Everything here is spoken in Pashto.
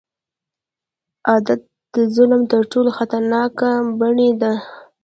عادت د ظلم تر ټولو خطرناک بڼې ده.